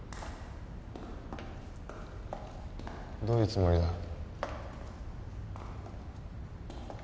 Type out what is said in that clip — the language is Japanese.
どういうつもりだ？